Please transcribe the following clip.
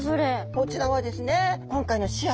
こちらはですね主役？